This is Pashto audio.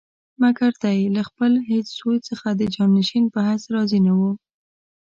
مګر دی له خپل هېڅ زوی څخه د جانشین په حیث راضي نه وو.